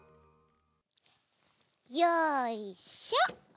よいしょ！